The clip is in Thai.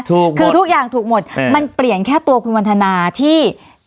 ถูกคือทุกอย่างถูกหมดมันเปลี่ยนแค่ตัวคุณวันทนาที่